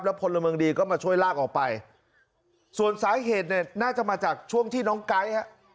พลเมืองดีก็มาช่วยลากออกไปส่วนสาเหตุเนี่ยน่าจะมาจากช่วงที่น้องไก๊ฮะ